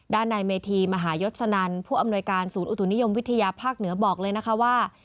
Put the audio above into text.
ด้านในเมธีมหายศนันผู้อำนวยการศูนย์อุตุนิยมวิทยาภาคเหนือบอกเลยนะคะว่า